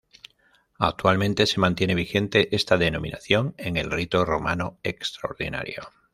Actualmente se mantiene vigente esta denominación en el rito romano extraordinario.